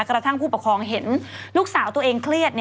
กระทั่งผู้ปกครองเห็นลูกสาวตัวเองเครียด